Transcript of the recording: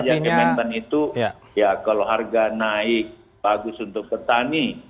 yang kementan itu ya kalau harga naik bagus untuk petani